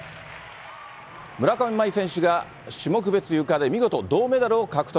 村上茉愛選手が種目別ゆかで見事、銅メダルを獲得。